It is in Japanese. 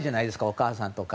お母さんとか。